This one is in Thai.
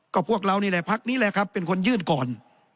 ก็พวกเรานี่แหละพักนี้แหละครับเป็นคนยื่นก่อน